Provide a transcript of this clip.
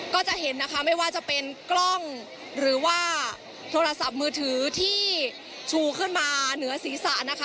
ก็จะเห็นนะคะไม่ว่าจะเป็นกล้องหรือว่าโทรศัพท์มือถือที่ชูขึ้นมาเหนือศีรษะนะคะ